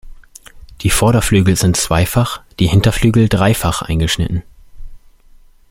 Die Vorderflügel sind zweifach, die Hinterflügel dreifach eingeschnitten.